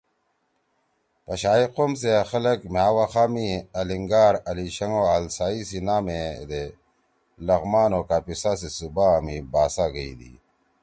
الینائی : پشائی قوم سی ہے خلگ مھأ وخا می الینگار، الیشنگ او السائی سی نام ئے دے لغمان او کاپیسا سی صوبہ می باسا گئیدی۔